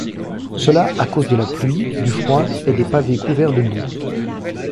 Cela à cause de la pluie, du froid et des pavés couverts de boue.